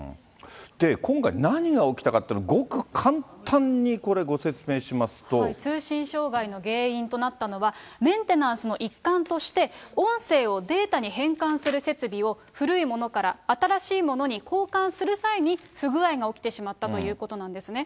で、今回何が起きたかっていうのをごく簡単にこれ、ご説明し通信障害の原因となったのは、メンテナンスの一環として、音声をデータに変換する設備を古いものから新しいものに交換する際に、不具合が起きてしまったということなんですね。